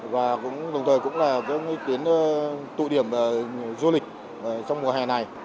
và cũng đồng thời cũng là tuyến tụ điểm du lịch trong mùa hè này